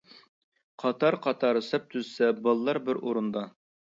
قاتار-قاتار سەپ تۈزسە، بالىلار بىر ئورۇندا.